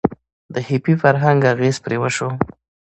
د هیپي فرهنګ اغیز پرې وشو.